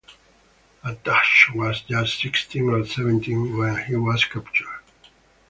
Attash was just sixteen or seventeen when he was captured.